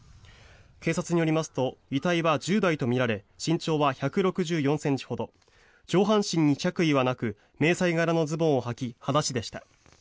警察によりますと遺体は１０代とみられ身長は１６４ｃｍほど上半身に着衣はなく迷彩柄のズボンをはき裸足でした。